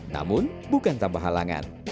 namun bukan tanpa halangan